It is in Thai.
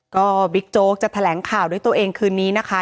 ก็บิ๊กโจ๊กจะแถลงข่าวด้วยตัวเองคืนนี้นะคะ